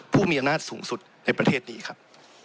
ผู้มีอำนาจสูงสุดในประเทศนี้ครับ